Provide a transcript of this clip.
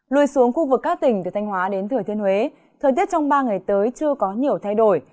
lui xuống khu vực các tỉnh từ thanh hóa đến thừa thiên huế thời tiết trong ba ngày tới chưa có nhiều thay đổi